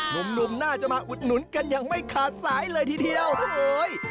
หนุ่มน่าจะมาอุดหนุนกันอย่างไม่ขาดสายเลยทีเดียวโอ้โห